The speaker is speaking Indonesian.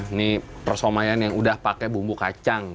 ini persomayan yang udah pakai bumbu kacang